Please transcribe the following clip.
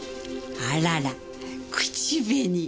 あらら口紅。